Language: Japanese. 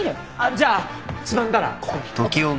じゃあつまんだらここに。ＯＫ。